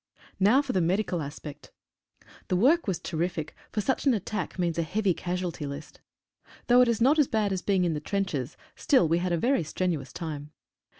Now for the medical aspect: The work was ter rific, for such an attack means a heavy casualty list. Though it is not as bad as being in the trenches, still we had a very strenuous time.